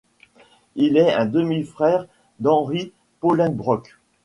Il est un demi-frère d'Henry Bolingbroke.